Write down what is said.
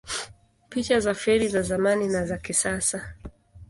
Picha za feri za zamani na za kisasa